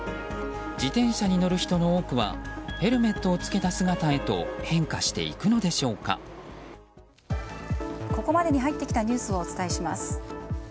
自転車に乗る人の多くはヘルメットを着けた姿へとここまでに入ってきたニュースをお伝えします。